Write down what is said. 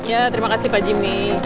ya terima kasih pak jimmy